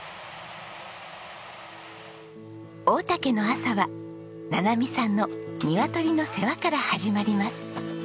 太田家の朝はななみさんのニワトリの世話から始まります。